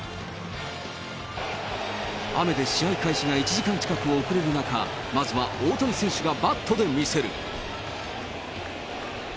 雨で試合開始が１時間近く遅れる中、まずは大谷選手がバットで見せる。